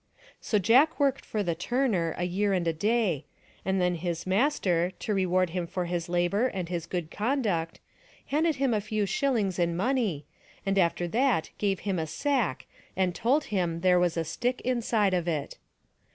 So Jack worked for the turner a year and a day, and then his master, to reward him for his labor and his good conduct, handed him a few shillings in THE DONKEY, THE TABLE, AND THE STICK 297 money, and after that gave him a sack and told him there was a stick inside of it.